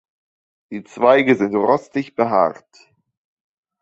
Die Zweige sind rostig behaart.